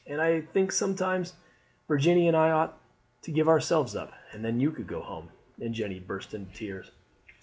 I think sometimes Virginie and I ought to give ourselves up, and then you could go home." And Jeanne burst into tears.